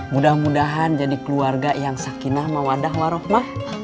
mudah mudahan jadi keluarga yang sakinah mawadah warohmah